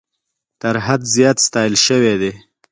تر حد زیات ستایل سوي دي.